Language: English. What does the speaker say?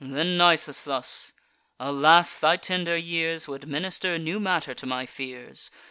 Then Nisus thus: "Alas! thy tender years Would minister new matter to my fears.